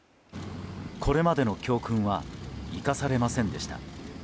これまでの教訓は生かされませんでした。